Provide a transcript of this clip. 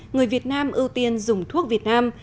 người việt nam ưu tiên dùng thuốc việt nam